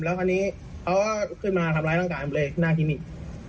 แล้วคราวนี้เขาก็ขึ้นมาทำร้ายร่างกายผมเลยหน้าคลินิก